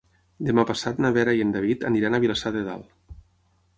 Demà passat na Vera i en David aniran a Vilassar de Dalt.